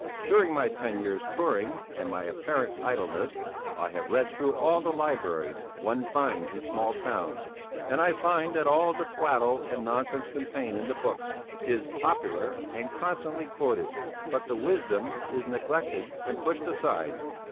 During my ten years' touring, and my apparent idleness, I have read through all the libraries one finds in small towns, and I find that all the twaddle and nonsense contained in the books is popular and constantly quoted; but the wisdom is neglected and pushed aside.